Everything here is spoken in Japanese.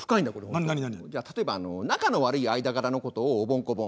何何？じゃ例えば仲の悪い間柄のことをおぼん・こぼん。